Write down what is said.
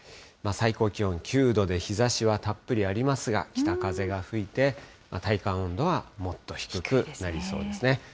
最高気温９度で、日ざしはたっぷりありますが、北風が吹いて、体感温度はもっと低くなりそうですね。